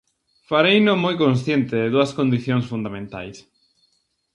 Fareino moi consciente de dúas condicións fundamentais.